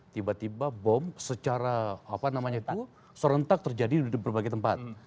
tiba tiba bom secara apa namanya itu serentak terjadi di berbagai tempat